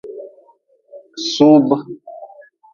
Suub.